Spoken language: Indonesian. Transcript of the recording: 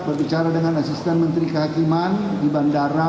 berbicara dengan asisten menteri kehakiman di bandara